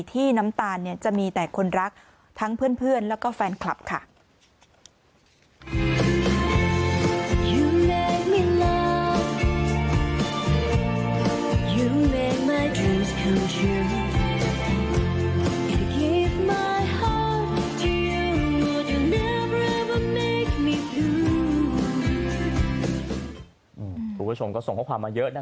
น้ำตาลจะมีแต่คนรักทั้งเพื่อนแล้วก็แฟนคลับค่ะ